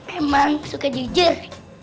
emang suka jujur